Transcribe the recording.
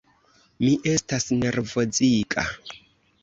Mi estas nervoziga.